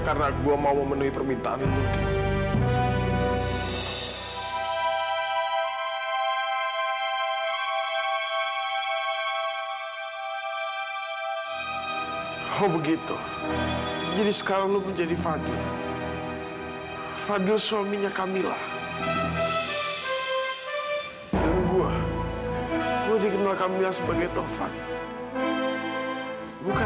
sampai jumpa di video selanjutnya